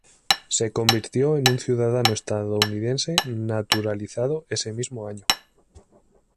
Se convirtió en un ciudadano estadounidense naturalizado ese mismo año.